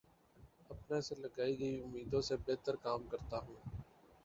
اپنے سے لگائی گئی امیدوں سے بہترکام کرتا ہوں